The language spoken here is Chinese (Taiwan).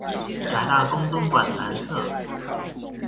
臺大工綜館南側